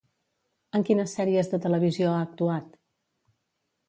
En quines sèries de televisió ha actuat?